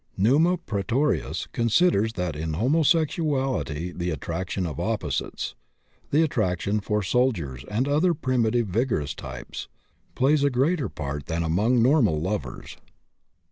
Numa Praetorius considers that in homosexuality the attraction of opposites the attraction for soldiers and other primitive vigorous types plays a greater part than among normal lovers.